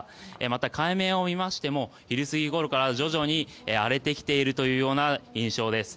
また海面を見ましても昼過ぎごろから徐々に荒れてきているというような印象です。